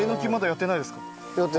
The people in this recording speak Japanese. やってない。